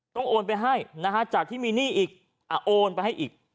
โอนไปให้นะฮะจากที่มีหนี้อีกโอนไปให้อีก